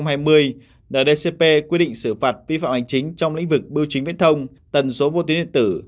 necp quy định xử phạt vi phạm hành chính trong lĩnh vực bưu chính viễn thông tần số vô tuyến điện tử